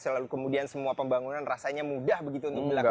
selalu kemudian semua pembangunan rasanya mudah begitu untuk dilakukan